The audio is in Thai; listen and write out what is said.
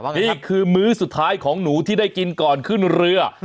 นี่คือมื้อสุดท้ายของหนูที่ได้กินก่อนขึ้นเรือ